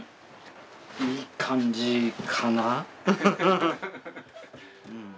いい感じかな。